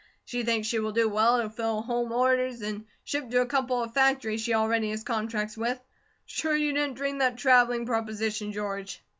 She thinks she will do well to fill home orders and ship to a couple of factories she already has contracts with. Sure you didn't dream that travelling proposition, George?"